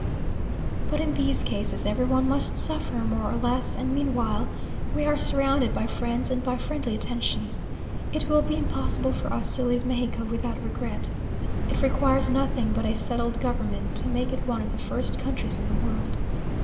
But in these cases, every one must suffer more or less; and meanwhile, we are surrounded by friends and by friendly attentions. It will be impossible for us to leave Mexico without regret. It requires nothing but a settled government to make it one of the first countries in the world.